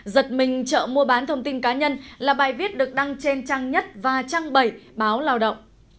giật mình chợ mua bán thông tin cá nhân là bài viết được đăng trên trang nhất và trang bảy báo lao động